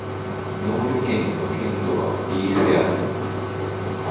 ノール県の県都はリールである